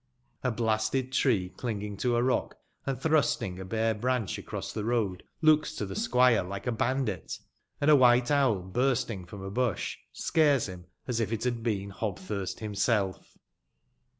A blasted tree clinging to a rock, and tbrusting a bare brancb across tbe road looks to tbe squire like a bandit; and a wbite owl bursting from a busb, scares bim as if it bad been Hobtbürsi bimself.